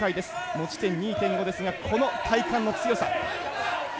持ち点２．５ですがこの体幹の強さ。